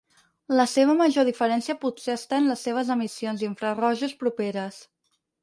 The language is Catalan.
La seva major diferència potser està en les seves emissions d'infrarojos properes.